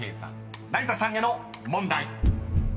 ［成田さんへの問題］